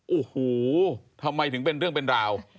โอ้โหทำไมถึงเป็นเรื่องเป็นราว